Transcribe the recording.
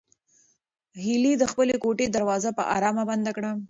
هیلې د خپلې کوټې دروازه په ارامه بنده کړه.